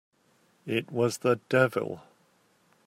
It was the devil!